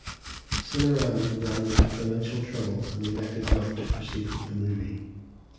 Cinerama ran into financial trouble and elected not to proceed with the movie.